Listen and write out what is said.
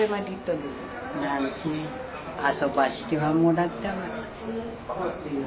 何せ遊ばせてはもらったわ。